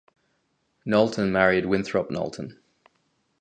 Knowlton married Winthrop Knowlton.